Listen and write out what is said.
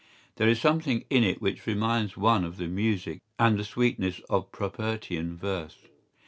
¬Ý There is something in it which reminds one of the music and the sweetness of Propertian verse.